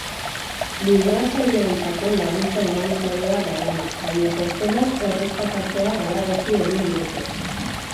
Migratzaileentzako laguntza humanitarioa darama, baina pertsonak erreskatatzea galarazi egin diote.